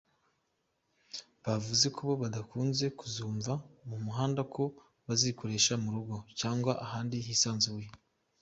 Bavuze ko bo badakunze kuzumva mu muhanda ko bazikoresha mu rugo cyangwa handi hisanzuye.